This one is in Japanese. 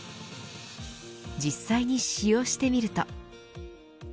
実際に使用してみると。